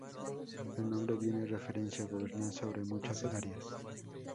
El nombre viene a referencia "gobernar sobre muchas áreas".